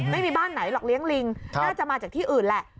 ไม่มีบ้านไหนหรอกเลี้ยงลิงน่าจะมาจากที่อื่นแหละ